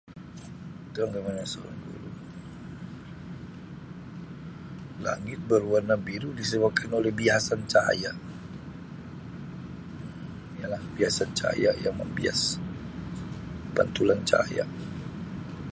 [unintelligible] Langit berwarna biru disebabkan oleh biasan cahaya Um ya lah biasan cahaya yang membiasa pantulan cahaya.